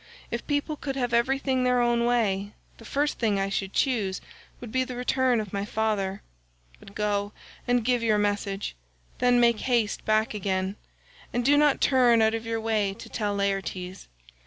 If people could have everything their own way, the first thing I should choose would be the return of my father; but go, and give your message; then make haste back again, and do not turn out of your way to tell Laertes.